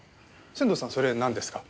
仙堂さんそれなんですか？